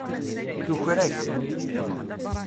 Tuker-ak.